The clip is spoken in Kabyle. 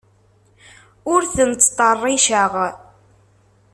Ur ten-ttṭerriceɣ.